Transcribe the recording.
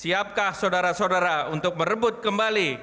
siapkah saudara saudara untuk merebut kembali